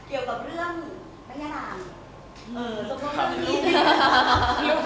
อย่างที่รู้ว่ามันสดีไปในอีกประจำหน้านี้ซึ้ง